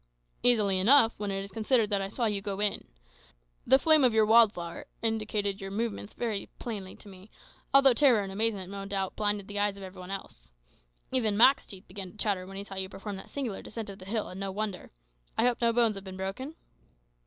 "Easily enough, when it is considered that I saw you go in. The flame of your wild fire indicated your movements pretty plainly to me, although terror and amazement no doubt blinded the eyes of every one else. Even Mak's teeth began to chatter when he saw you perform that singular descent of the hill, and no wonder. I hope no bones have been broken?"